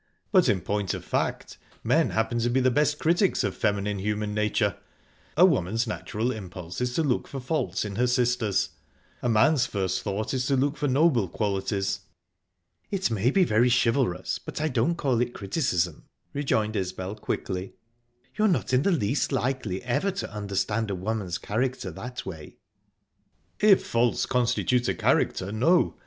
"But, in point of fact, men happen to be the best critics of feminine human nature. A woman's natural impulse is to look for faults in her sisters; a man's first thought is to look for noble qualities." "It may be very chivalrous, but I don't call it criticism," rejoined Isbel quickly. "You're not in the least likely ever to understand a woman's character that way." "If faults constitute a character no.